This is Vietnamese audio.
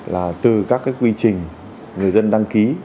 là từ các quy trình người dân đăng ký